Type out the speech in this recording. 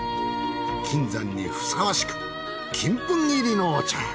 金山にふさわしく金粉入りのお茶。